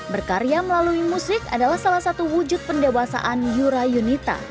berkarya melalui musik adalah salah satu wujud pendewasaan yura yunita